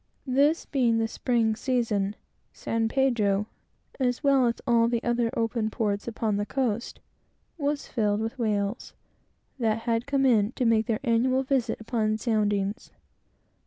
This being the spring season, San Pedro, as well as all the other open ports upon the coast, was filled with whales, that had come in to make their annual visit upon soundings.